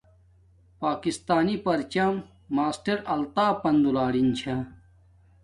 پاکستانی پرچم ماسٹر الطاف پن دولاین چھا